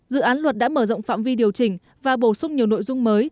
dự án luật đã mở rộng phạm vi điều chỉnh và bổ sung nhiều nội dung mới